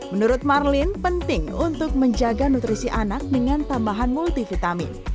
menurut marlin penting untuk menjaga nutrisi anak dengan tambahan multivitamin